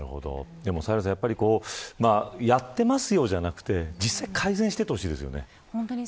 サヘルさんやっていますよ、ではなくて実際に改善していってほしいですよね。